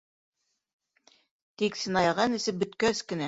Тик сынаяғын эсеп бөткәс кенә: